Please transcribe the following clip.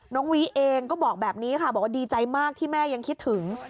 น้องวิเองก็บอกแบบนี้ค่ะบอกว่าดีใจมากที่แม่ยังคิดถึง